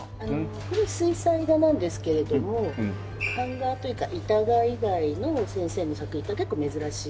これは水彩画なんですけれども版画というか板画以外の先生の作品っていうのは結構珍しい。